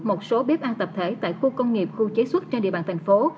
một số bếp ăn tập thể tại khu công nghiệp khu chế xuất trên địa bàn thành phố